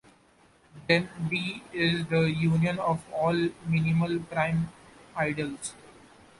Then "D" is the union of all minimal prime ideals.